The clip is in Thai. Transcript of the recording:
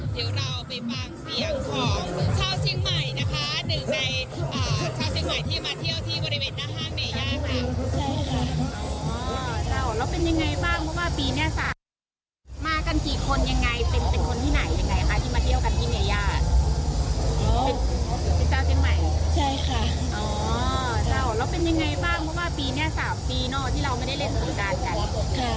เดี๋ยวเราไปฟังเสียงของเช่าเชียงใหม่นะคะ